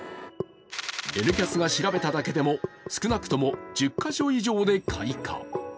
「Ｎキャス」が調べただけでも少なくとも１０カ所以上で開花。